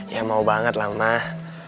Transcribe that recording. ya mau banget lah mah